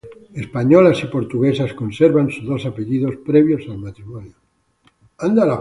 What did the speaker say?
Españolas y Portuguesas conservan sus dos apellidos previos al matrimonio.